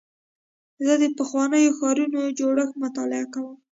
زه د پخوانیو ښارونو جوړښت مطالعه کوم.